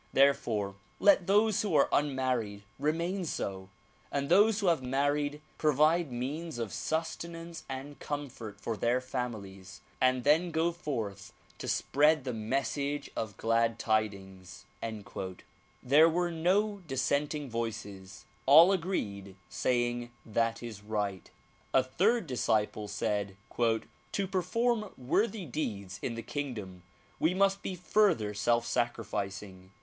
Therefore let those who are unmarried remain so, and those who have married provide means of sustenance and comfort for their families and then go forth to spread the message of glad tidings." There were no dissenting voices; all agreed, saying "That is right." A third disciple said "To perform Worthy deeds in the kingdom we must be further self sacrificing.